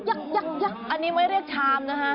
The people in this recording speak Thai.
อันนี้ไม่เรียกชามนะฮะ